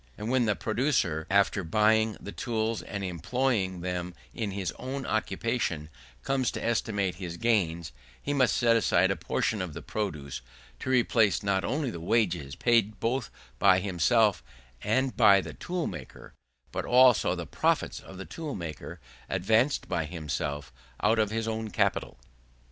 And when the producer, after buying the tools and employing them in his own occupation, comes to estimate his gains, he must set aside a portion of the produce to replace not only the wages paid both by himself and by the tool maker, but also the profits of the tool maker, advanced by himself out of his own capital.